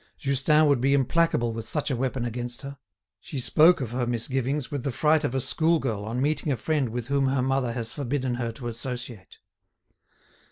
Justin would be implacable with such a weapon against her. She spoke of her misgivings with the fright of a schoolgirl on meeting a friend with whom her mother has forbidden her to associate.